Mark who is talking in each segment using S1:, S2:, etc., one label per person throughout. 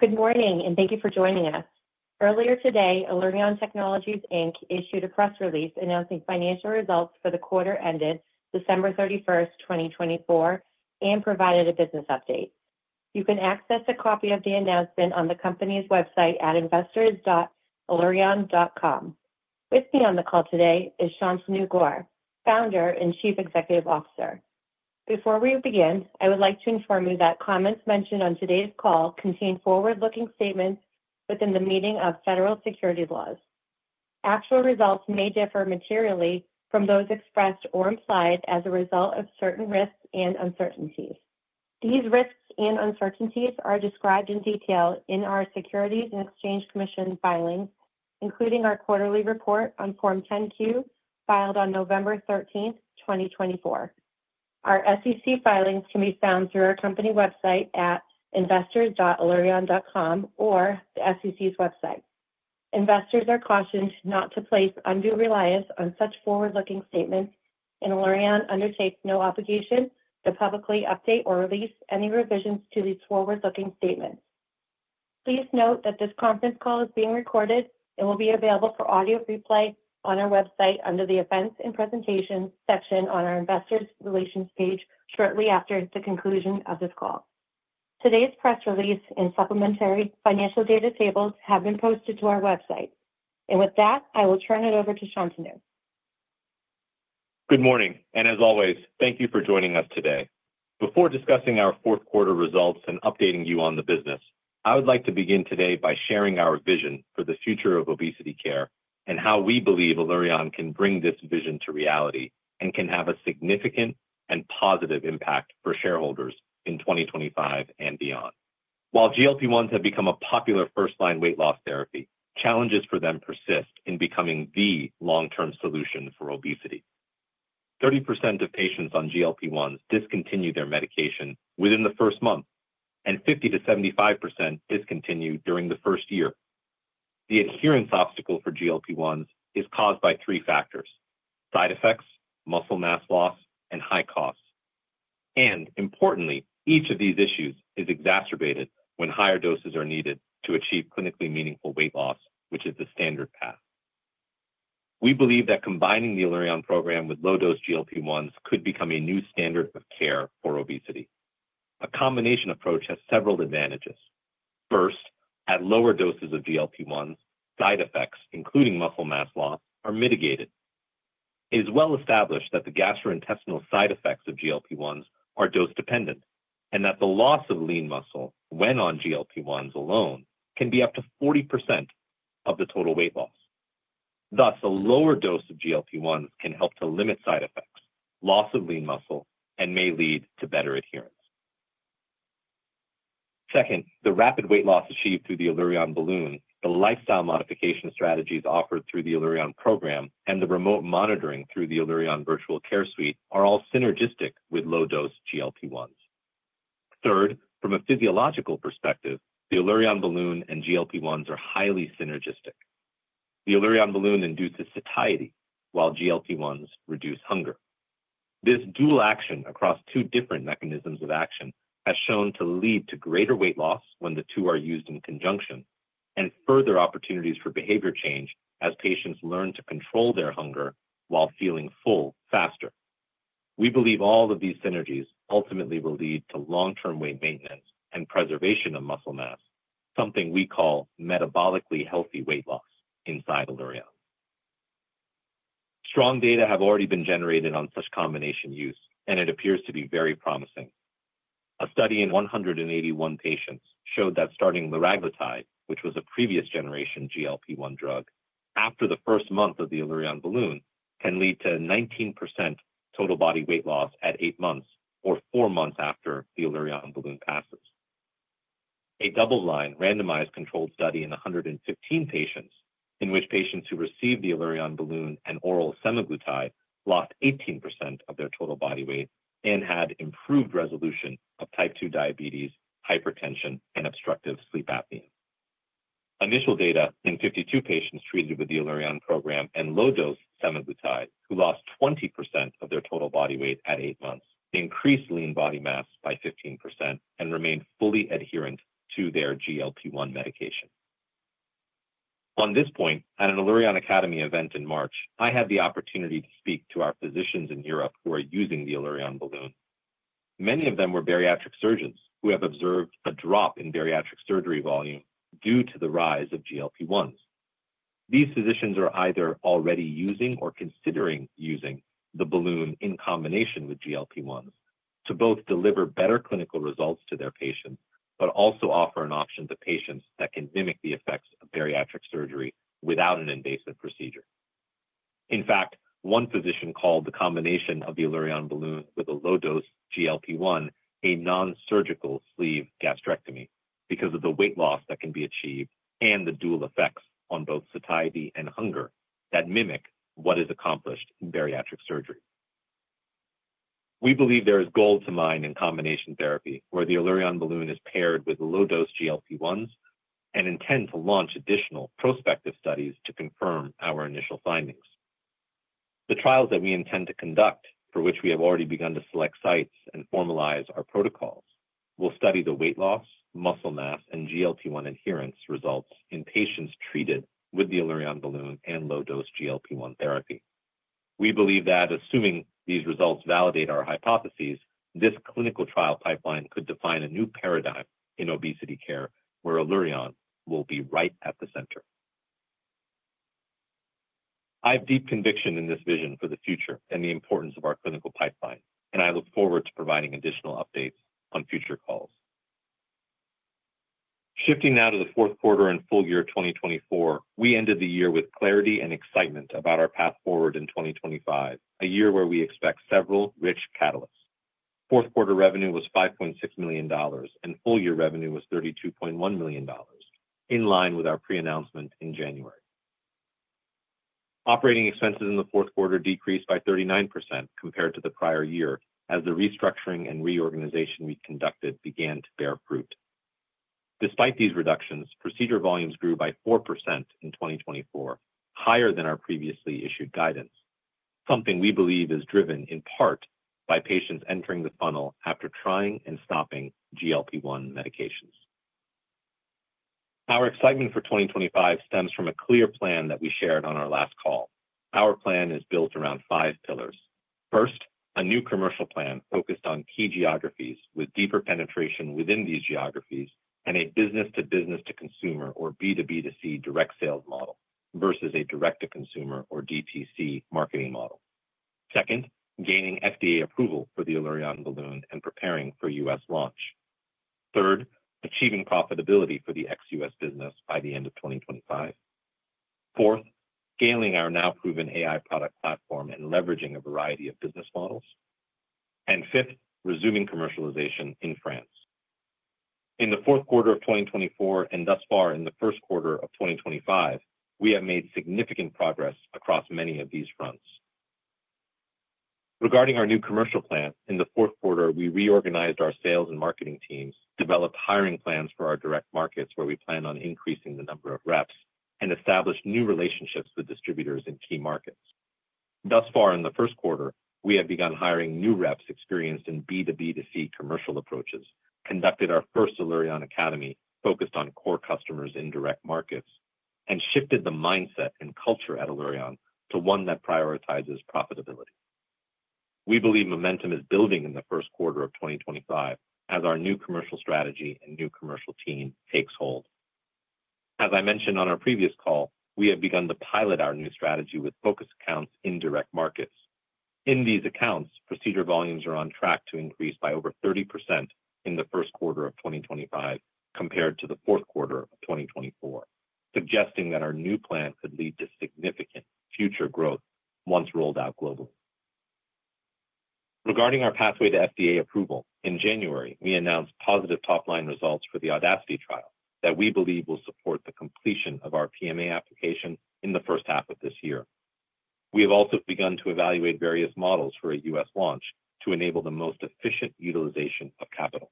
S1: Good morning, and thank you for joining us. Earlier today, Allurion Technologies issued a press release announcing Financial Results for the Quarter Ended December 31, 2024, and provided a business update. You can access a copy of the announcement on the company's website at investors.allurion.com. With me on the call today is Shantanu Gaur, Founder and Chief Executive Officer. Before we begin, I would like to inform you that comments mentioned on today's call contain forward-looking statements within the meaning of federal securities laws. Actual results may differ materially from those expressed or implied as a result of certain risks and uncertainties. These risks and uncertainties are described in detail in our Securities and Exchange Commission filings, including our quarterly report on Form 10-Q filed on November 13, 2024. Our SEC filings can be found through our company website at investors.allurion.com or the SEC's website. Investors are cautioned not to place undue reliance on such forward-looking statements, and Allurion undertakes no obligation to publicly update or release any revisions to these forward-looking statements. Please note that this conference call is being recorded and will be available for audio replay on our website under the Events and Presentations section on our Investor Relations page shortly after the conclusion of this call. Today's press release and supplementary financial data tables have been posted to our website. With that, I will turn it over to Shantanu.
S2: Good morning, and as always, thank you for joining us today. Before discussing our fourth quarter results and updating you on the business, I would like to begin today by sharing our vision for the future of obesity care and how we believe Allurion can bring this vision to reality and can have a significant and positive impact for shareholders in 2025 and beyond. While GLP-1s have become a popular first-line weight loss therapy, challenges for them persist in becoming the long-term solution for obesity. 30% of patients on GLP-1s discontinue their medication within the first month, and 50%-75% discontinue during the first year. The adherence obstacle for GLP-1s is caused by three factors: side effects, muscle mass loss, and high costs. Importantly, each of these issues is exacerbated when higher doses are needed to achieve clinically meaningful weight loss, which is the standard path. We believe that combining the Allurion Program with low-dose GLP-1s could become a new standard of care for obesity. A combination approach has several advantages. First, at lower doses of GLP-1s, side effects, including muscle mass loss, are mitigated. It is well established that the gastrointestinal side effects of GLP-1s are dose-dependent, and that the loss of lean muscle when on GLP-1s alone can be up to 40% of the total weight loss. Thus, a lower dose of GLP-1s can help to limit side effects, loss of lean muscle, and may lead to better adherence. Second, the rapid weight loss achieved through the Allurion Balloon, the lifestyle modification strategies offered through the Allurion Program, and the remote monitoring through the Allurion Virtual Care Suite are all synergistic with low-dose GLP-1s. Third, from a physiological perspective, the Allurion Balloon and GLP-1s are highly synergistic. The Allurion Balloon induces satiety, while GLP-1s reduce hunger. This dual action across two different mechanisms of action has shown to lead to greater weight loss when the two are used in conjunction, and further opportunities for behavior change as patients learn to control their hunger while feeling full faster. We believe all of these synergies ultimately will lead to long-term weight maintenance and preservation of muscle mass, something we call metabolically healthy weight loss inside Allurion. Strong data have already been generated on such combination use, and it appears to be very promising. A study in 181 patients showed that starting liraglutide, which was a previous generation GLP-1 drug, after the first month of the Allurion Balloon can lead to a 19% total body weight loss at eight months, or four months after the Allurion Balloon passes. A double-blind, randomized controlled study in 115 patients in which patients who received the Allurion Balloon and oral semaglutide lost 18% of their total body weight and had improved resolution of type 2 diabetes, hypertension, and obstructive sleep apnea. Initial data in 52 patients treated with the Allurion Program and low-dose semaglutide who lost 20% of their total body weight at eight months increased lean body mass by 15% and remained fully adherent to their GLP-1 medication. On this point, at an Allurion Academy event in March, I had the opportunity to speak to our physicians in Europe who are using the Allurion Balloon. Many of them were bariatric surgeons who have observed a drop in bariatric surgery volume due to the rise of GLP-1s. These physicians are either already using or considering using the balloon in combination with GLP-1s to both deliver better clinical results to their patients, but also offer an option to patients that can mimic the effects of bariatric surgery without an invasive procedure. In fact, one physician called the combination of the Allurion Balloon with a low-dose GLP-1 a non-surgical sleeve gastrectomy because of the weight loss that can be achieved and the dual effects on both satiety and hunger that mimic what is accomplished in bariatric surgery. We believe there is gold to mine in combination therapy where the Allurion Balloon is paired with low-dose GLP-1s and intend to launch additional prospective studies to confirm our initial findings. The trials that we intend to conduct, for which we have already begun to select sites and formalize our protocols, will study the weight loss, muscle mass, and GLP-1 adherence results in patients treated with the Allurion Balloon and low-dose GLP-1 therapy. We believe that, assuming these results validate our hypotheses, this clinical trial pipeline could define a new paradigm in obesity care where Allurion will be right at the center. I have deep conviction in this vision for the future and the importance of our clinical pipeline, and I look forward to providing additional updates on future calls. Shifting now to the fourth quarter and full year 2024, we ended the year with clarity and excitement about our path forward in 2025, a year where we expect several rich catalysts. Fourth quarter revenue was $5.6 million, and full year revenue was $32.1 million, in line with our pre-announcement in January. Operating expenses in the fourth quarter decreased by 39% compared to the prior year as the restructuring and reorganization we conducted began to bear fruit. Despite these reductions, procedure volumes grew by 4% in 2024, higher than our previously issued guidance, something we believe is driven in part by patients entering the funnel after trying and stopping GLP-1 medications. Our excitement for 2025 stems from a clear plan that we shared on our last call. Our plan is built around five pillars. First, a new commercial plan focused on key geographies with deeper penetration within these geographies and a business-to-business-to-consumer, or B2B2C, direct sales model versus a direct-to-consumer, or DTC, marketing model. Second, gaining FDA approval for the Allurion Balloon and preparing for U.S. launch. Third, achieving profitability for the ex-U.S. business by the end of 2025. Fourth, scaling our now-proven AI product platform and leveraging a variety of business models. Fifth, resuming commercialization in France. In the fourth quarter of 2024 and thus far in the first quarter of 2025, we have made significant progress across many of these fronts. Regarding our new commercial plan, in the fourth quarter, we reorganized our sales and marketing teams, developed hiring plans for our direct markets where we plan on increasing the number of reps, and established new relationships with distributors in key markets. Thus far, in the first quarter, we have begun hiring new reps experienced in B2B2C commercial approaches, conducted our first Allurion Academy focused on core customers in direct markets, and shifted the mindset and culture at Allurion to one that prioritizes profitability. We believe momentum is building in the first quarter of 2025 as our new commercial strategy and new commercial team takes hold. As I mentioned on our previous call, we have begun to pilot our new strategy with focus accounts in direct markets. In these accounts, procedure volumes are on track to increase by over 30% in the first quarter of 2025 compared to the fourth quarter of 2024, suggesting that our new plan could lead to significant future growth once rolled out globally. Regarding our pathway to FDA approval, in January, we announced positive top-line results for the AUDACITY trial that we believe will support the completion of our PMA application in the first half of this year. We have also begun to evaluate various models for a U.S. launch to enable the most efficient utilization of capital.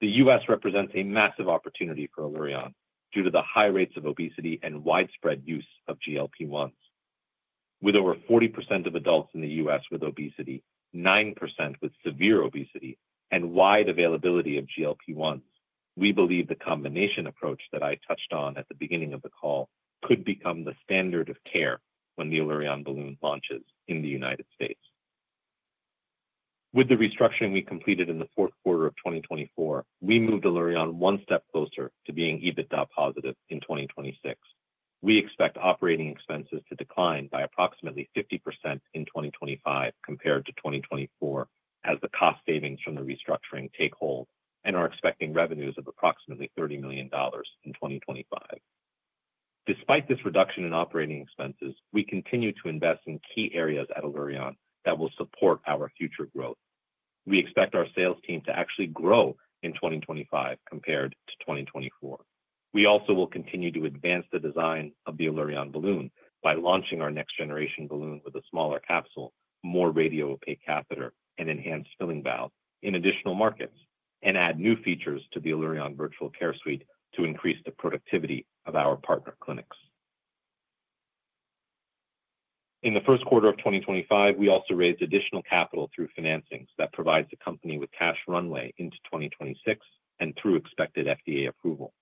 S2: The U.S. represents a massive opportunity for Allurion due to the high rates of obesity and widespread use of GLP-1s. With over 40% of adults in the U.S. with obesity, 9% with severe obesity, and wide availability of GLP-1s, we believe the combination approach that I touched on at the beginning of the call could become the standard of care when the Allurion Balloon launches in the United States. With the restructuring we completed in the fourth quarter of 2024, we moved Allurion one step closer to being EBITDA positive in 2026. We expect operating expenses to decline by approximately 50% in 2025 compared to 2024 as the cost savings from the restructuring take hold and are expecting revenues of approximately $30 million in 2025. Despite this reduction in operating expenses, we continue to invest in key areas at Allurion that will support our future growth. We expect our sales team to actually grow in 2025 compared to 2024. We also will continue to advance the design of the Allurion Balloon by launching our next-generation balloon with a smaller capsule, more radiopaque catheter, and enhanced filling valve in additional markets, and add new features to the Allurion Virtual Care Suite to increase the productivity of our partner clinics. In the first quarter of 2025, we also raised additional capital through financings that provide the company with cash runway into 2026 and through expected FDA approval.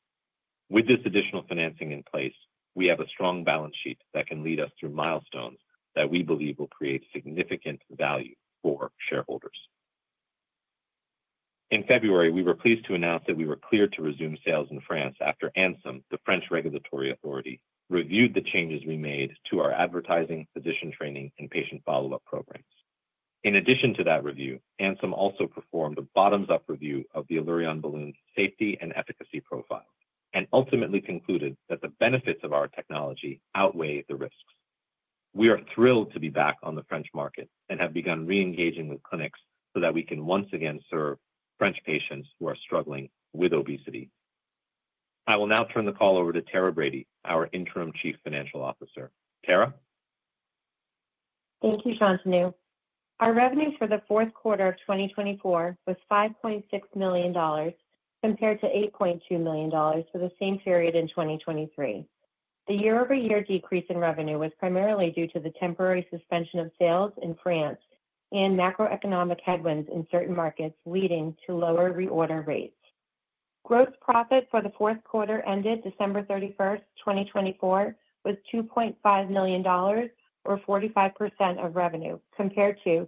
S2: With this additional financing in place, we have a strong balance sheet that can lead us through milestones that we believe will create significant value for shareholders. In February, we were pleased to announce that we were clear to resume sales in France after ANSM, the French regulatory authority, reviewed the changes we made to our advertising, physician training, and patient follow-up programs. In addition to that review, ANSM also performed a bottoms-up review of the Allurion Balloon's safety and efficacy profile and ultimately concluded that the benefits of our technology outweigh the risks. We are thrilled to be back on the French market and have begun re-engaging with clinics so that we can once again serve French patients who are struggling with obesity. I will now turn the call over to Tara Brady, our Interim Chief Financial Officer. Tara?
S3: Thank you, Shantanu. Our revenue for the fourth quarter of 2024 was $5.6 million compared to $8.2 million for the same period in 2023. The year-over-year decrease in revenue was primarily due to the temporary suspension of sales in France and macroeconomic headwinds in certain markets leading to lower reorder rates. Gross profit for the fourth quarter ended December 31, 2024, was $2.5 million, or 45% of revenue, compared to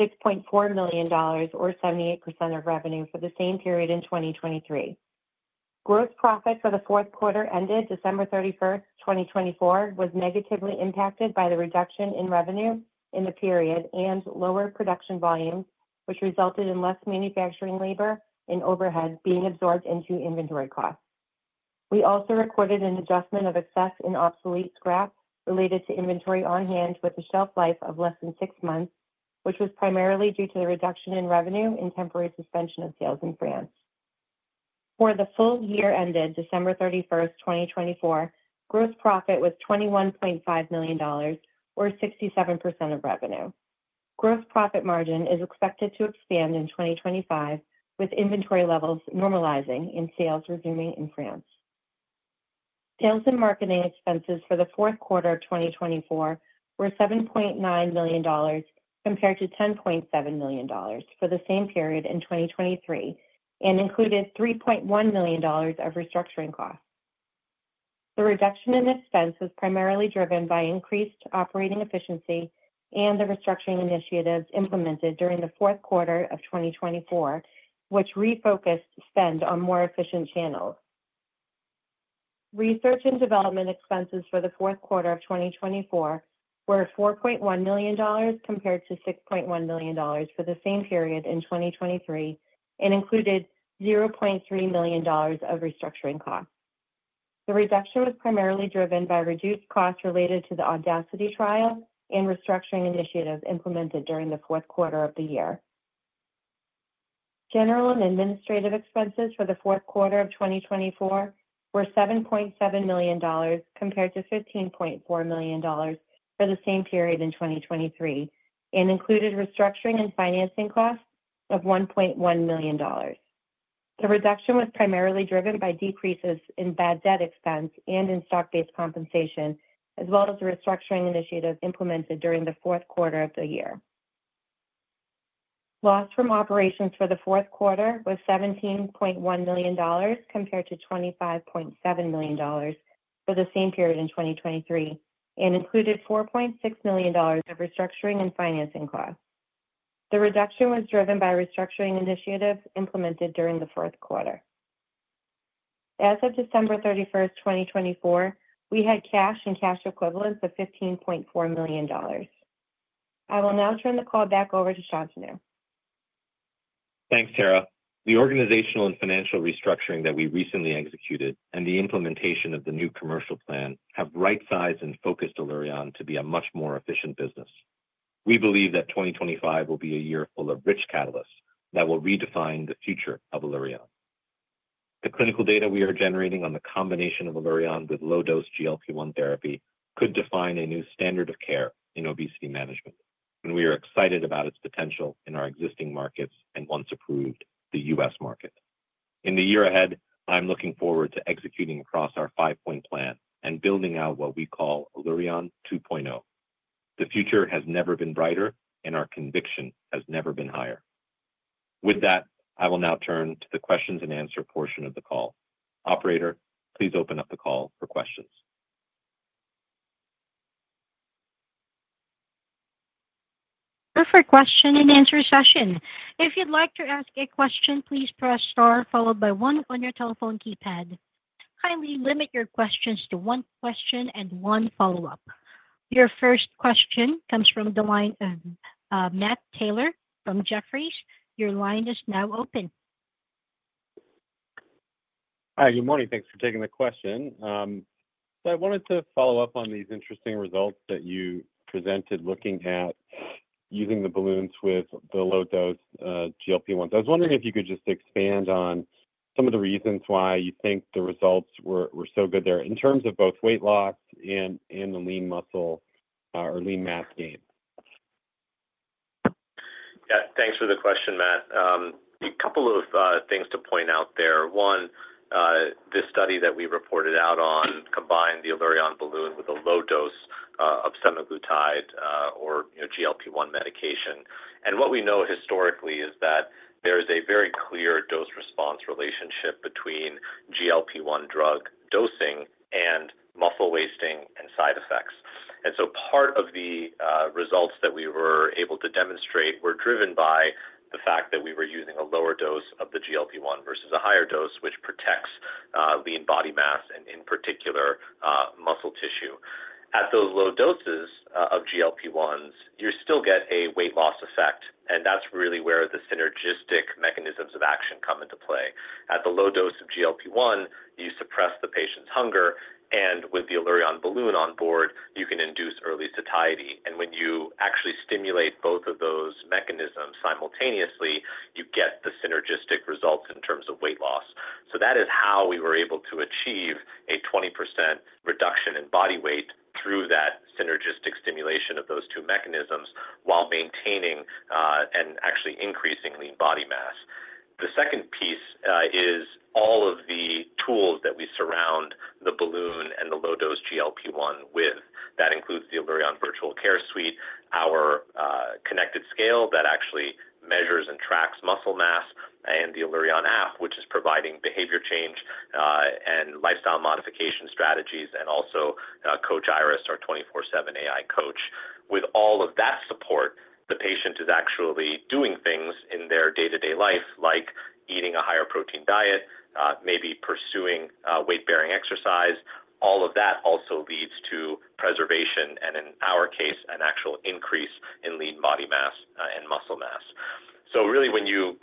S3: $6.4 million, or 78% of revenue for the same period in 2023. Gross profit for the fourth quarter ended December 31, 2024, was negatively impacted by the reduction in revenue in the period and lower production volumes, which resulted in less manufacturing labor and overhead being absorbed into inventory costs. We also recorded an adjustment of excess and obsolete scrap related to inventory on hand with a shelf life of less than six months, which was primarily due to the reduction in revenue and temporary suspension of sales in France. For the full year ended December 31, 2024, gross profit was $21.5 million, or 67% of revenue. Gross profit margin is expected to expand in 2025 with inventory levels normalizing and sales resuming in France. Sales and marketing expenses for the fourth quarter of 2024 were $7.9 million compared to $10.7 million for the same period in 2023 and included $3.1 million of restructuring costs. The reduction in expense was primarily driven by increased operating efficiency and the restructuring initiatives implemented during the fourth quarter of 2024, which refocused spend on more efficient channels. Research and development expenses for the fourth quarter of 2024 were $4.1 million compared to $6.1 million for the same period in 2023 and included $0.3 million of restructuring costs. The reduction was primarily driven by reduced costs related to the AUDACITY trial and restructuring initiatives implemented during the fourth quarter of the year. General and administrative expenses for the fourth quarter of 2024 were $7.7 million compared to $15.4 million for the same period in 2023 and included restructuring and financing costs of $1.1 million. The reduction was primarily driven by decreases in bad debt expense and in stock-based compensation, as well as the restructuring initiatives implemented during the fourth quarter of the year. Loss from operations for the fourth quarter was $17.1 million compared to $25.7 million for the same period in 2023 and included $4.6 million of restructuring and financing costs. The reduction was driven by restructuring initiatives implemented during the fourth quarter. As of December 31, 2024, we had cash and cash equivalents of $15.4 million. I will now turn the call back over to Shantanu.
S2: Thanks, Tara. The organizational and financial restructuring that we recently executed and the implementation of the new commercial plan have right-sized and focused Allurion to be a much more efficient business. We believe that 2025 will be a year full of rich catalysts that will redefine the future of Allurion. The clinical data we are generating on the combination of Allurion with low-dose GLP-1 therapy could define a new standard of care in obesity management, and we are excited about its potential in our existing markets and once approved, the U.S. market. In the year ahead, I'm looking forward to executing across our five-point plan and building out what we call Allurion 2.0. The future has never been brighter, and our conviction has never been higher. With that, I will now turn to the questions and answer portion of the call. Operator, please open up the call for questions.
S4: Perfect question and answer session. If you'd like to ask a question, please press star followed by one on your telephone keypad. Kindly limit your questions to one question and one follow-up. Your first question comes from the line of Matt Taylor from Jefferies. Your line is now open.
S5: Hi, good morning. Thanks for taking the question. I wanted to follow up on these interesting results that you presented looking at using the balloons with the low-dose GLP-1. I was wondering if you could just expand on some of the reasons why you think the results were so good there in terms of both weight loss and the lean muscle or lean mass gain.
S2: Yeah, thanks for the question, Matt. A couple of things to point out there. One, this study that we reported out on combined the Allurion Balloon with a low-dose of semaglutide or GLP-1 medication. What we know historically is that there is a very clear dose-response relationship between GLP-1 drug dosing and muscle wasting and side effects. Part of the results that we were able to demonstrate were driven by the fact that we were using a lower dose of the GLP-1 versus a higher dose, which protects lean body mass and, in particular, muscle tissue. At those low doses of GLP-1s, you still get a weight loss effect, and that's really where the synergistic mechanisms of action come into play. At the low dose of GLP-1, you suppress the patient's hunger, and with the Allurion Balloon on board, you can induce early satiety. When you actually stimulate both of those mechanisms simultaneously, you get the synergistic results in terms of weight loss. That is how we were able to achieve a 20% reduction in body weight through that synergistic stimulation of those two mechanisms while maintaining and actually increasing lean body mass. The second piece is all of the tools that we surround the balloon and the low-dose GLP-1 with. That includes the Allurion Virtual Care Suite, our connected scale that actually measures and tracks muscle mass, and the Allurion app, which is providing behavior change and lifestyle modification strategies, and also Coach Iris, our 24/7 AI coach. With all of that support, the patient is actually doing things in their day-to-day life, like eating a higher protein diet, maybe pursuing weight-bearing exercise. All of that also leads to preservation and, in our case, an actual increase in lean body mass and muscle mass. Really, when you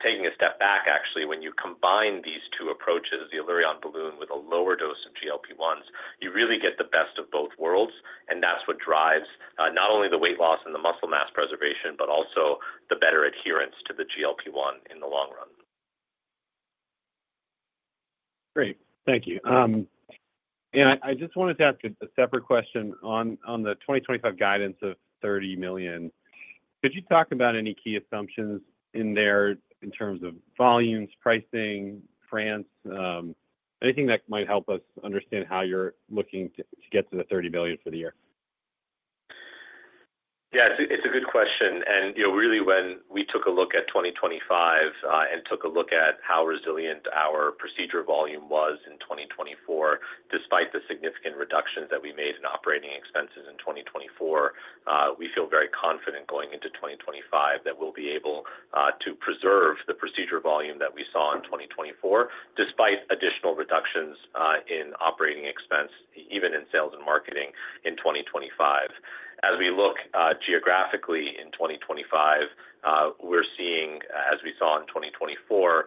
S2: take a step back, actually, when you combine these two approaches, the Allurion Balloon with a lower dose of GLP-1s, you really get the best of both worlds, and that's what drives not only the weight loss and the muscle mass preservation, but also the better adherence to the GLP-1 in the long run.
S5: Great. Thank you. I just wanted to ask a separate question on the 2025 guidance of $30 million. Could you talk about any key assumptions in there in terms of volumes, pricing, France? Anything that might help us understand how you're looking to get to the $30 million for the year?
S2: Yeah, it's a good question. When we took a look at 2025 and took a look at how resilient our procedure volume was in 2024, despite the significant reductions that we made in operating expenses in 2024, we feel very confident going into 2025 that we'll be able to preserve the procedure volume that we saw in 2024, despite additional reductions in operating expense, even in sales and marketing in 2025. As we look geographically in 2025, we're seeing, as we saw in 2024,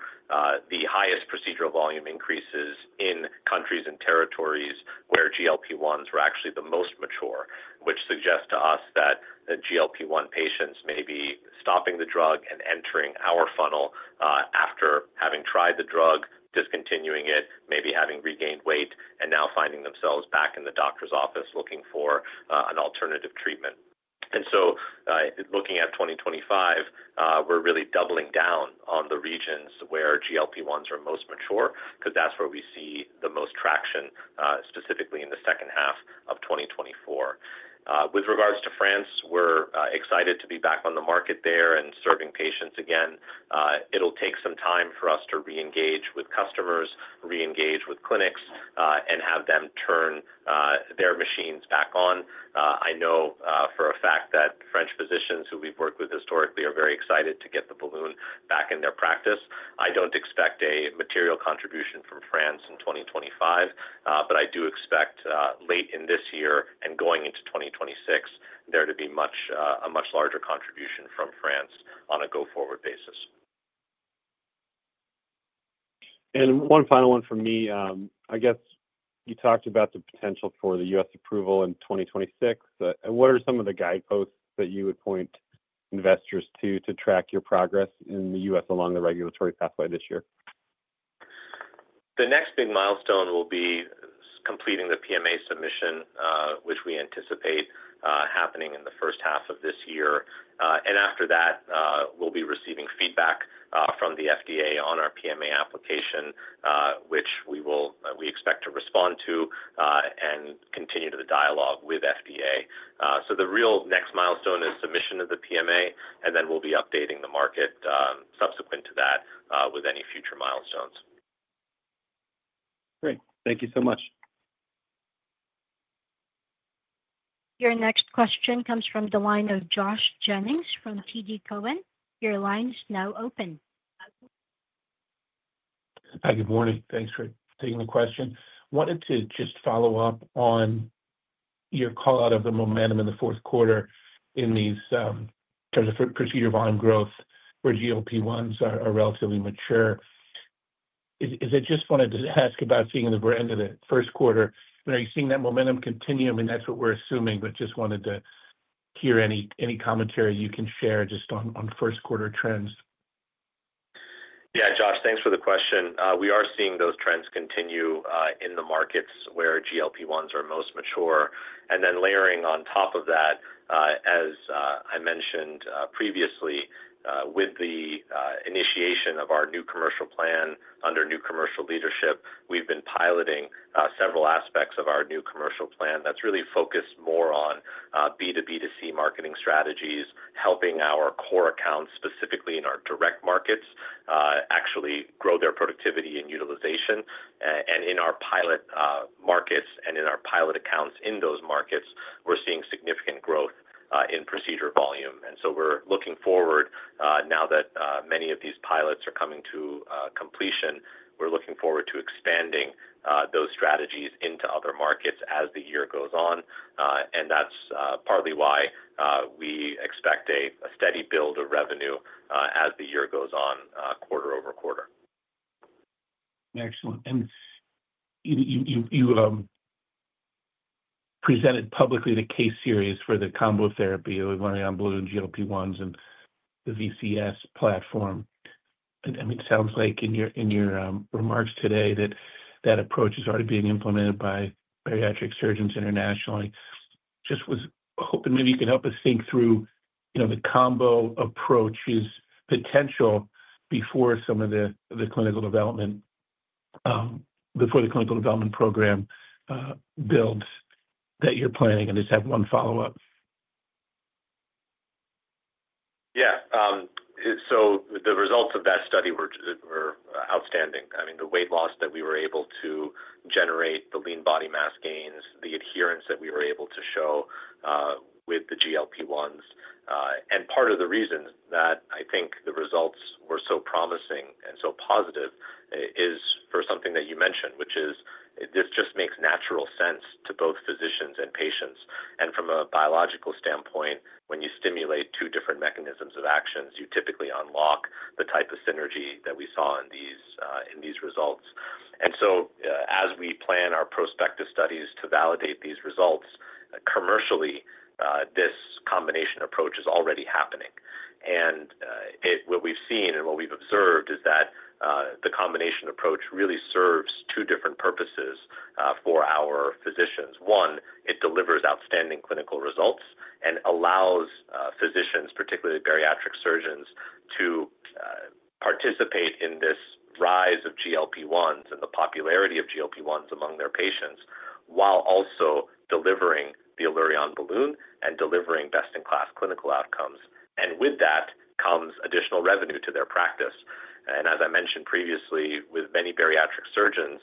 S2: the highest procedural volume increases in countries and territories where GLP-1s were actually the most mature, which suggests to us that GLP-1 patients may be stopping the drug and entering our funnel after having tried the drug, discontinuing it, maybe having regained weight, and now finding themselves back in the doctor's office looking for an alternative treatment. Looking at 2025, we're really doubling down on the regions where GLP-1s are most mature because that's where we see the most traction, specifically in the second half of 2024. With regards to France, we're excited to be back on the market there and serving patients again. It'll take some time for us to re-engage with customers, re-engage with clinics, and have them turn their machines back on. I know for a fact that French physicians who we've worked with historically are very excited to get the balloon back in their practice. I don't expect a material contribution from France in 2025, but I do expect late in this year and going into 2026 there to be a much larger contribution from France on a go-forward basis.
S5: One final one from me. I guess you talked about the potential for the U.S. approval in 2026. What are some of the guideposts that you would point investors to to track your progress in the U.S. along the regulatory pathway this year?
S2: The next big milestone will be completing the PMA submission, which we anticipate happening in the first half of this year. After that, we'll be receiving feedback from the FDA on our PMA application, which we expect to respond to and continue the dialogue with FDA. The real next milestone is submission of the PMA, and then we'll be updating the market subsequent to that with any future milestones.
S5: Great. Thank you so much.
S4: Your next question comes from the line of Josh Jennings from TD Cowen. Your line is now open.
S6: Hi, good morning. Thanks for taking the question. Wanted to just follow up on your call out of the momentum in the fourth quarter in these terms of procedure volume growth where GLP-1s are relatively mature. I just wanted to ask about seeing the brand of the first quarter. Are you seeing that momentum continue? I mean, that's what we're assuming, but just wanted to hear any commentary you can share just on first-quarter trends.
S2: Yeah, Josh, thanks for the question. We are seeing those trends continue in the markets where GLP-1s are most mature. Layering on top of that, as I mentioned previously, with the initiation of our new commercial plan under new commercial leadership, we've been piloting several aspects of our new commercial plan that's really focused more on B2B2C marketing strategies, helping our core accounts specifically in our direct markets actually grow their productivity and utilization. In our pilot markets and in our pilot accounts in those markets, we're seeing significant growth in procedure volume. We're looking forward now that many of these pilots are coming to completion, and we're looking forward to expanding those strategies into other markets as the year goes on. That's partly why we expect a steady build of revenue as the year goes on quarter over quarter.
S6: Excellent. You presented publicly the case series for the combo therapy of Allurion Balloon, GLP-1s, and the VCS platform. I mean, it sounds like in your remarks today that that approach is already being implemented by bariatric surgeons internationally. Just was hoping maybe you could help us think through the combo approach's potential before some of the clinical development, before the clinical development program builds that you're planning. I just have one follow-up.
S2: Yeah. The results of that study were outstanding. I mean, the weight loss that we were able to generate, the lean body mass gains, the adherence that we were able to show with the GLP-1s. Part of the reason that I think the results were so promising and so positive is for something that you mentioned, which is this just makes natural sense to both physicians and patients. From a biological standpoint, when you stimulate two different mechanisms of actions, you typically unlock the type of synergy that we saw in these results. As we plan our prospective studies to validate these results, commercially, this combination approach is already happening. What we've seen and what we've observed is that the combination approach really serves two different purposes for our physicians. One, it delivers outstanding clinical results and allows physicians, particularly bariatric surgeons, to participate in this rise of GLP-1s and the popularity of GLP-1s among their patients while also delivering the Allurion Balloon and delivering best-in-class clinical outcomes. With that comes additional revenue to their practice. As I mentioned previously, with many bariatric surgeons,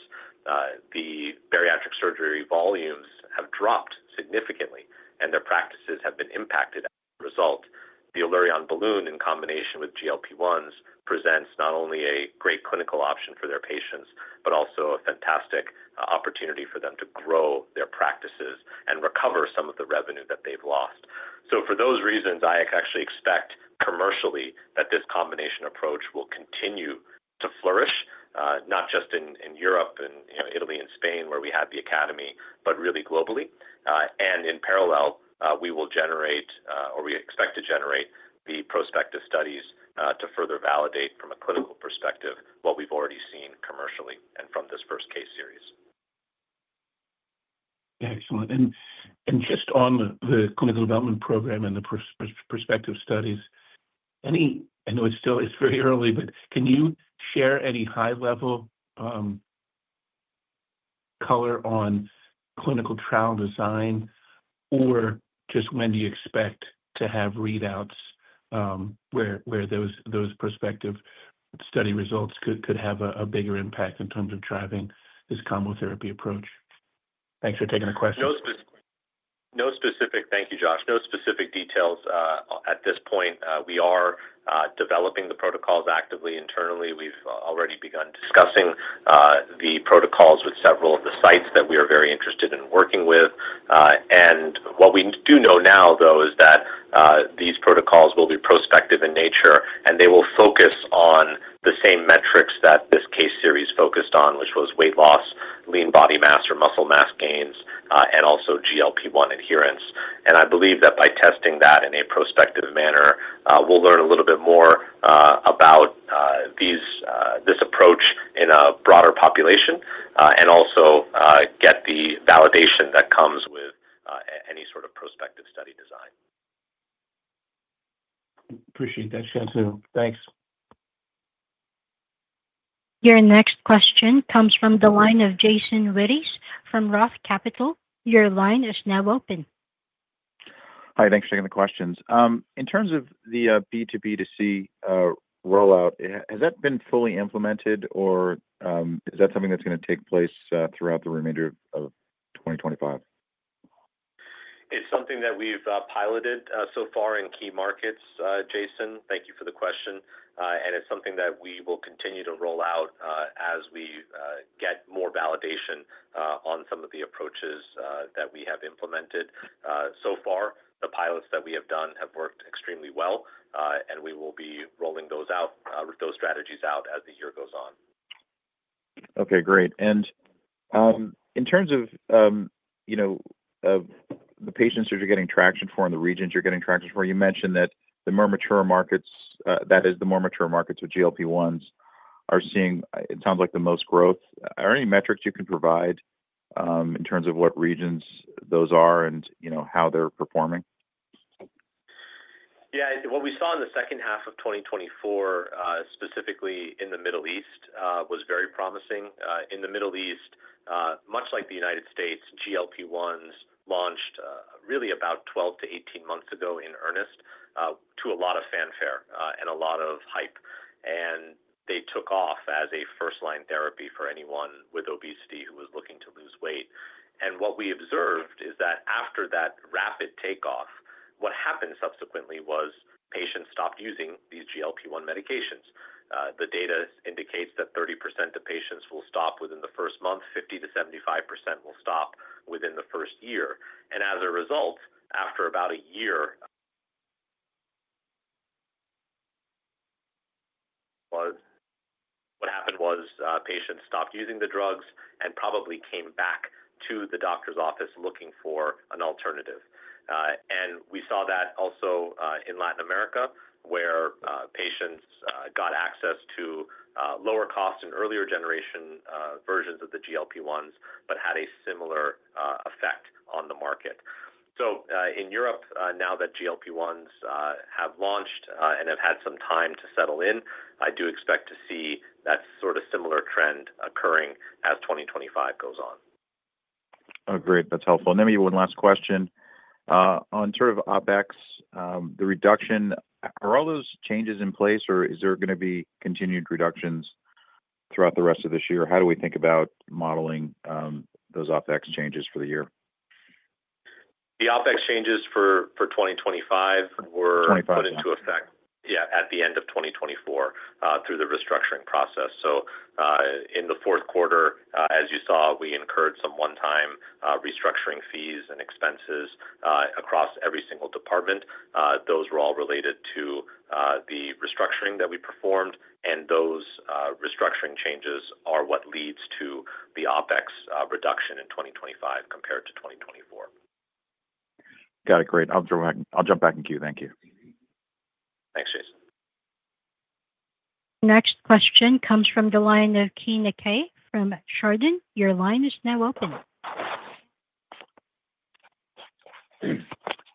S2: the bariatric surgery volumes have dropped significantly, and their practices have been impacted as a result. The Allurion Balloon in combination with GLP-1s presents not only a great clinical option for their patients, but also a fantastic opportunity for them to grow their practices and recover some of the revenue that they've lost. For those reasons, I actually expect commercially that this combination approach will continue to flourish, not just in Europe and Italy and Spain where we have the academy, but really globally. In parallel, we will generate or we expect to generate the prospective studies to further validate from a clinical perspective what we've already seen commercially and from this first case series.
S6: Excellent. Just on the clinical development program and the prospective studies, I know it's very early, but can you share any high-level color on clinical trial design or just when do you expect to have readouts where those prospective study results could have a bigger impact in terms of driving this combo therapy approach? Thanks for taking the question.
S2: No specific—thank you, Josh. No specific details at this point. We are developing the protocols actively internally. We've already begun discussing the protocols with several of the sites that we are very interested in working with. What we do know now, though, is that these protocols will be prospective in nature, and they will focus on the same metrics that this case series focused on, which was weight loss, lean body mass, or muscle mass gains, and also GLP-1 adherence. I believe that by testing that in a prospective manner, we'll learn a little bit more about this approach in a broader population and also get the validation that comes with any sort of prospective study design.
S6: Appreciate that, Shantanu. Thanks.
S4: Your next question comes from the line of Jason Wittes from Roth Capital. Your line is now open.
S7: Hi. Thanks for taking the questions. In terms of the B2B2C rollout, has that been fully implemented, or is that something that's going to take place throughout the remainder of 2025?
S2: It's something that we've piloted so far in key markets, Jason. Thank you for the question. It's something that we will continue to roll out as we get more validation on some of the approaches that we have implemented. So far, the pilots that we have done have worked extremely well, and we will be rolling those strategies out as the year goes on.
S7: Okay. Great. In terms of the patients that you're getting traction for and the regions you're getting traction for, you mentioned that the more mature markets, that is, the more mature markets with GLP-1s, are seeing, it sounds like, the most growth. Are there any metrics you can provide in terms of what regions those are and how they're performing?
S2: Yeah. What we saw in the second half of 2024, specifically in the Middle East, was very promising. In the Middle East, much like the United States, GLP-1s launched really about 12 to 18 months ago in earnest to a lot of fanfare and a lot of hype. They took off as a first-line therapy for anyone with obesity who was looking to lose weight. What we observed is that after that rapid takeoff, what happened subsequently was patients stopped using these GLP-1 medications. The data indicates that 30% of patients will stop within the first month, 50%-75% will stop within the first year. As a result, after about a year, what happened was patients stopped using the drugs and probably came back to the doctor's office looking for an alternative. We saw that also in Latin America, where patients got access to lower-cost and earlier-generation versions of the GLP-1s but had a similar effect on the market. In Europe, now that GLP-1s have launched and have had some time to settle in, I do expect to see that sort of similar trend occurring as 2025 goes on.
S7: Great. That's helpful. Maybe one last question. On sort of OpEx, the reduction, are all those changes in place, or is there going to be continued reductions throughout the rest of this year? How do we think about modeling those OpEx changes for the year?
S2: The OpEx changes for 2025 were put into effect -- at the end of 2024 through the restructuring process. In the fourth quarter, as you saw, we incurred some one-time restructuring fees and expenses across every single department. Those were all related to the restructuring that we performed, and those restructuring changes are what leads to the OpEx reduction in 2025 compared to 2024.
S7: Got it. Great. I'll jump back in queue. Thank you.
S2: Thanks, Jason.
S4: Next question comes from the line of Keay Nakae from Chardan. Your line is now open.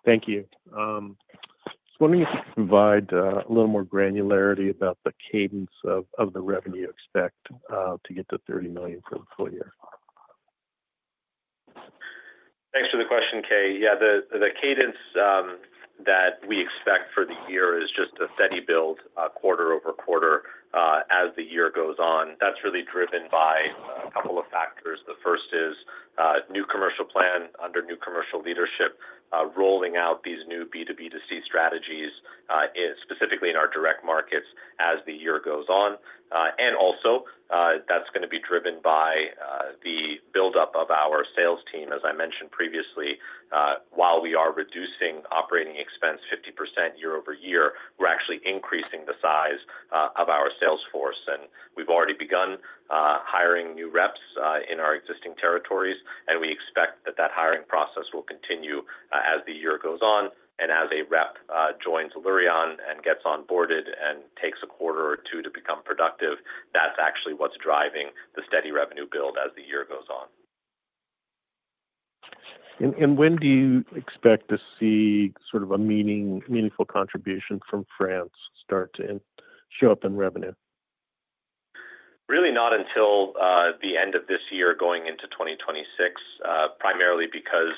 S8: Thank you. Just wondering if you could provide a little more granularity about the cadence of the revenue you expect to get to $30 million for the full year.
S2: Thanks for the question, Keay. Yeah, the cadence that we expect for the year is just a steady build quarter over quarter as the year goes on. That's really driven by a couple of factors. The first is new commercial plan under new commercial leadership, rolling out these new B2B2C strategies, specifically in our direct markets as the year goes on. That is also going to be driven by the buildup of our sales team. As I mentioned previously, while we are reducing operating expense 50% year over year, we're actually increasing the size of our sales force. We've already begun hiring new reps in our existing territories, and we expect that that hiring process will continue as the year goes on. As a rep joins Allurion and gets onboarded and takes a quarter or two to become productive, that's actually what's driving the steady revenue build as the year goes on.
S8: When do you expect to see sort of a meaningful contribution from France start to show up in revenue?
S2: Really not until the end of this year going into 2026, primarily because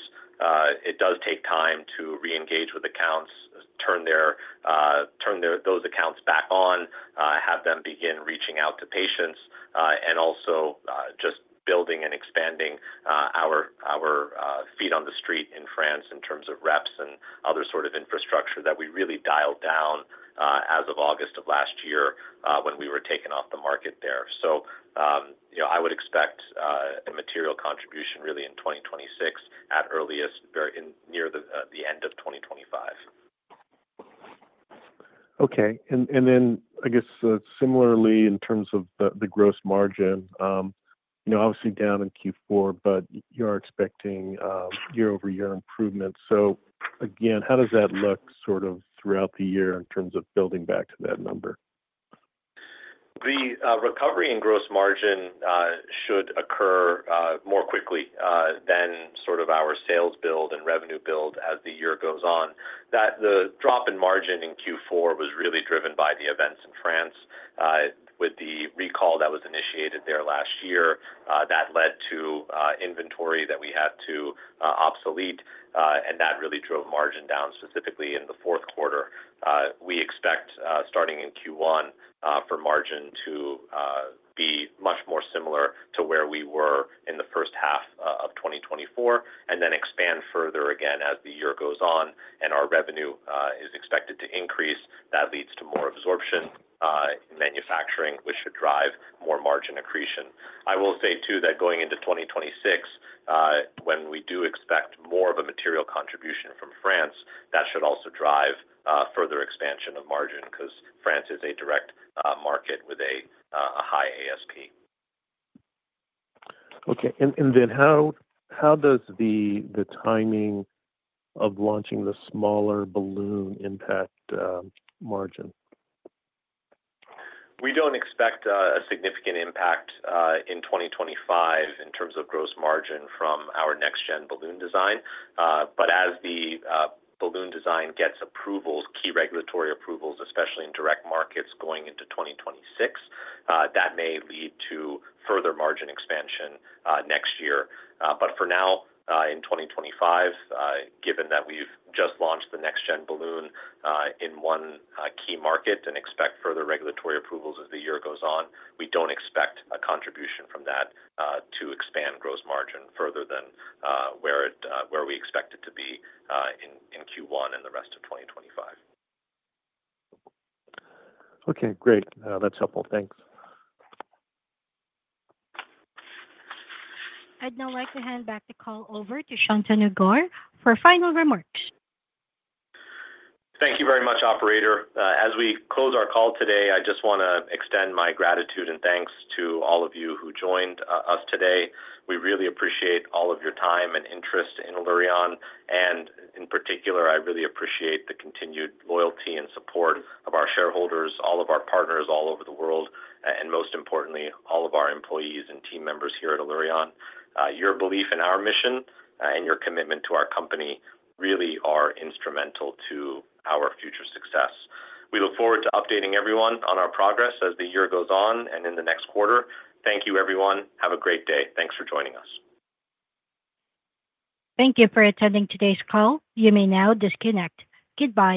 S2: it does take time to reengage with accounts, turn those accounts back on, have them begin reaching out to patients, and also just building and expanding our feet on the street in France in terms of reps and other sort of infrastructure that we really dialed down as of August of last year when we were taken off the market there. I would expect a material contribution really in 2026 at earliest near the end of 2025.
S8: Okay. I guess similarly in terms of the gross margin, obviously down in Q4, but you're expecting year-over-year improvement. Again, how does that look sort of throughout the year in terms of building back to that number?
S2: The recovery in gross margin should occur more quickly than sort of our sales build and revenue build as the year goes on. The drop in margin in Q4 was really driven by the events in France with the recall that was initiated there last year. That led to inventory that we had to obsolete, and that really drove margin down specifically in the fourth quarter. We expect starting in Q1 for margin to be much more similar to where we were in the first half of 2024 and then expand further again as the year goes on. Our revenue is expected to increase. That leads to more absorption in manufacturing, which should drive more margin accretion. I will say too that going into 2026, when we do expect more of a material contribution from France, that should also drive further expansion of margin because France is a direct market with a high ASP.
S8: Okay. How does the timing of launching the smaller balloon impact margin?
S2: We do not expect a significant impact in 2025 in terms of gross margin from our next-gen balloon design. As the balloon design gets approvals, key regulatory approvals, especially in direct markets going into 2026, that may lead to further margin expansion next year. For now, in 2025, given that we have just launched the next-gen balloon in one key market and expect further regulatory approvals as the year goes on, we do not expect a contribution from that to expand gross margin further than where we expect it to be in Q1 and the rest of 2025.
S8: Okay. Great. That's helpful. Thanks.
S4: I'd now like to hand back the call over to Shantanu Gaur for final remarks.
S2: Thank you very much, Operator. As we close our call today, I just want to extend my gratitude and thanks to all of you who joined us today. We really appreciate all of your time and interest in Allurion. In particular, I really appreciate the continued loyalty and support of our shareholders, all of our partners all over the world, and most importantly, all of our employees and team members here at Allurion. Your belief in our mission and your commitment to our company really are instrumental to our future success. We look forward to updating everyone on our progress as the year goes on and in the next quarter. Thank you, everyone. Have a great day. Thanks for joining us.
S4: Thank you for attending today's call. You may now disconnect. Goodbye.